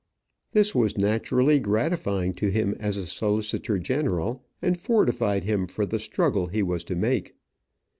This was naturally gratifying to him as a solicitor general, and fortified him for the struggle he was to make.